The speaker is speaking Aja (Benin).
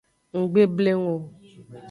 Nggbleng o.